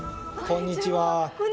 こんにちは！